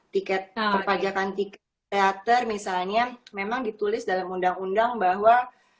tiket perpajakan tiket teater misalnya memang ditulis dalam undang undang bahwa